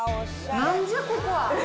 なんじゃここは。